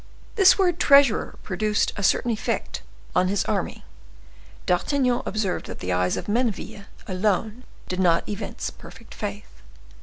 This word treasurer produced a certain effect on his army. D'Artagnan observed that the eyes of Menneville alone did not evince perfect faith.